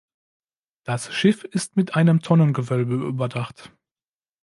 Das Schiff ist mit einem Tonnengewölbe überdacht.